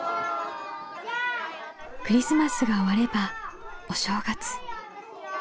クリスマスが終わればお正月。